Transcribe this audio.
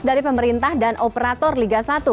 dari pemerintah dan operator liga satu